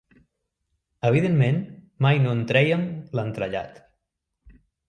Evidentment, mai no en trèiem l'entrellat.